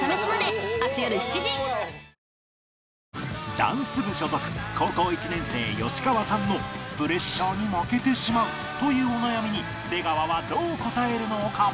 ダンス部所属高校１年生吉川さんのプレッシャーに負けてしまうというお悩みに出川はどう答えるのか？